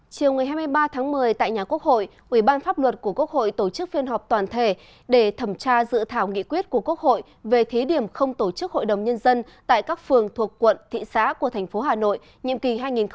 chiều hai mươi ba tháng một mươi tại nhà quốc hội ubnd của quốc hội tổ chức phiên họp toàn thể để thẩm tra dự thảo nghị quyết của quốc hội về thí điểm không tổ chức hội đồng nhân dân tại các phường thuộc quận thị xã của thành phố hà nội nhiệm kỳ hai nghìn hai mươi một hai nghìn hai mươi sáu